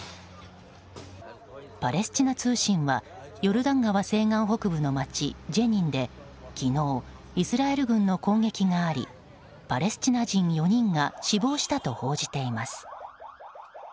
パレスチナ通信はヨルダン川西岸北部の街ジェニンで昨日、イスラエル軍の攻撃がありパレスチナ人４人が死亡したと報じています。